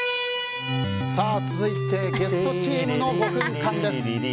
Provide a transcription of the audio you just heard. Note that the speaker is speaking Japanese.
続いてゲストチームの５分間です。